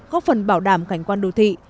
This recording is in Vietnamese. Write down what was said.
góp phần bảo đảm cảnh quan đồ thị